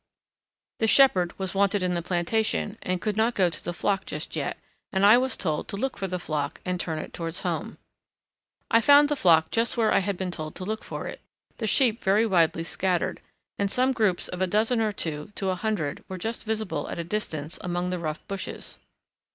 The shepherd was wanted in the plantation and could not go to the flock just yet, and I was told to look for the flock and turn it towards home. I found the flock just where I had been told to look for it, the sheep very widely scattered, and some groups of a dozen or two to a hundred were just visible at a distance among the rough bushes.